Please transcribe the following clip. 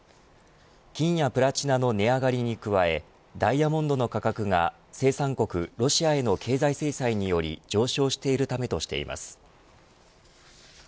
金やプラチナの値上がりに加えダイヤモンドの価格が生産国ロシアへの経済制裁により上昇しているためとしています。